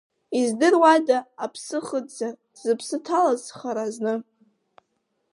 Издыруада, аԥсы ахыҵзар, зыԥсы ҭалаз хара зны?